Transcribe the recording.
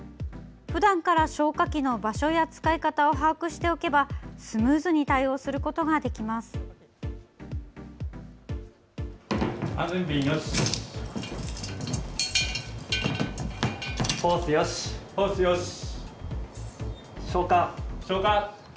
普段から消火器の場所や使い方を把握しておけばスムーズに対応することができます。